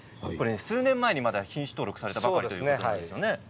数年前に、まだ品種登録されたばかりなんですよね。